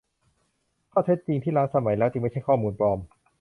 ข้อเท็จจริงที่ล้าสมัยแล้วจึงไม่ใช่ข้อมูลปลอม